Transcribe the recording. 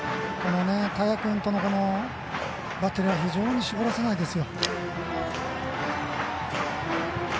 田屋君とのバッテリーは非常に絞らせないですよ。